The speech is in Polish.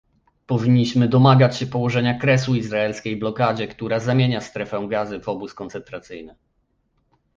Powinniśmy domagać się położenia kresu izraelskiej blokadzie, która zamienia Strefę Gazy w obóz koncentracyjny